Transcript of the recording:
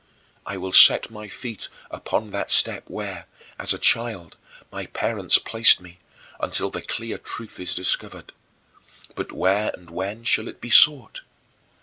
I will set my feet upon that step where, as a child, my parents placed me, until the clear truth is discovered. But where and when shall it be sought?